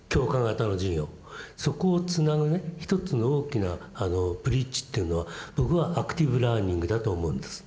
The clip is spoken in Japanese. そこをつなぐね一つの大きなブリッジというのは僕はアクティブラーニングだと思うんです。